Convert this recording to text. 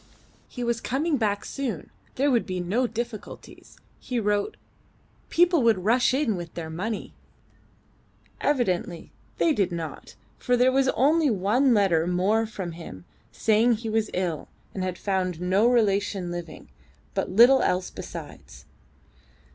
"He was coming back soon. There would be no difficulties," he wrote; "people would rush in with their money." Evidently they did not, for there was only one letter more from him saying he was ill, had found no relation living, but little else besides.